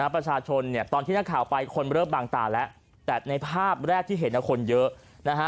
ประชาชนตอนที่หน้าข่าวไปคนเลิภบางตาแล้วแต่ในภาพแรกที่เห็นคนเยอะ